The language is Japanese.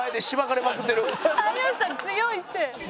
有吉さん強いって。